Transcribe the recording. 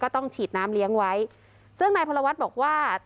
ต้องฉีดน้ำเลี้ยงไว้ซึ่งนายพลวัฒน์บอกว่า